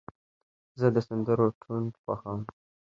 زه د سندرو ټون خوښوم.